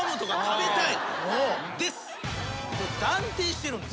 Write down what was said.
断定してるんです。